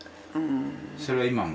それは今も？